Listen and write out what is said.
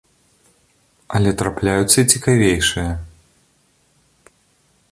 Але трапляюцца і цікавейшыя.